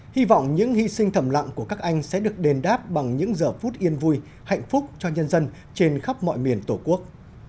hy vọng những hy sinh thầm lặng của các anh sẽ được đền đáp bằng những giờ phút yên vui hạnh phúc cho nhân dân trên khắp mọi miền tổ quốc